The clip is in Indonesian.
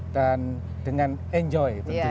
dan dengan enjoy